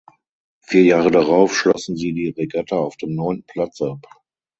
Vier Jahre darauf schlossen sie die Regatta auf dem neunten Platz ab.